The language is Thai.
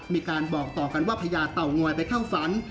มีการบอกต่อกันว่าพญาเต่างอยไปเข้าฝัน